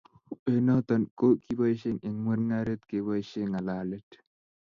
Eng' notok ko kibashie eng' mungaret keboishe ngalalet